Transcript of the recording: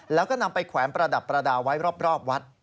แล้วก็นำไปแขวนประดับประดาษไว้รอบวัด